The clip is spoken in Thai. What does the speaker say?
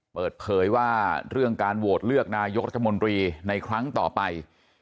เปิดเผยว่าเรื่องการโหวตเลือกนายกรัฐมนตรีในครั้งต่อไป